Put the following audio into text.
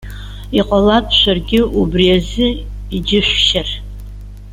Иҟалап шәаргьы убриазы иџьышәшьар.